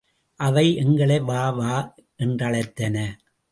அவை எங்களை வா, வா என்று அழைத்தன.